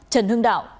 trần hưng đạo